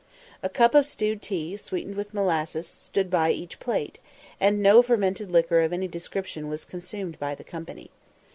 A cup of stewed tea, sweetened with molasses, stood by each plate, and no fermented liquor of any description was consumed by the company.